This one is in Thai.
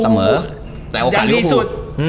สมรแต่โอกาสยังดีสุด